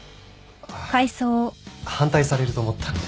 あっ反対されると思ったので。